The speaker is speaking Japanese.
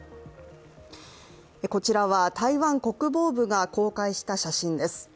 こちらは台湾国防部が公開した写真です。